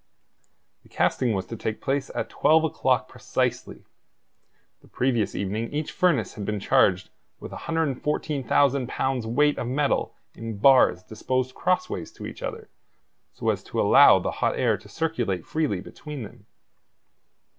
The casting was to take place at twelve o'clock precisely. The previous evening each furnace had been charged with 114,000 pounds weight of metal in bars disposed cross ways to each other, so as to allow the hot air to circulate freely between them.